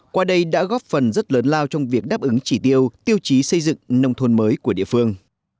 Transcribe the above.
qua đây đã góp phần rất lớn lao trong việc đáp ứng chỉ tiêu tiêu chí xây dựng nông thôn mới của địa phương